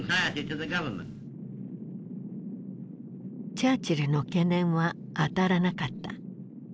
チャーチルの懸念は当たらなかった。